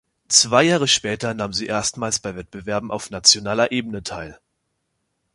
Zwei Jahre später nahm sie erstmals bei Wettbewerben auf nationaler Ebene teil.